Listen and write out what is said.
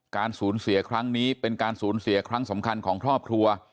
การสูญเสียครั้งนี้เป็นการสูญเสียครั้งสำคัญของครอบครัว